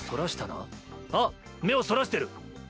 あ目をそらしてるッ！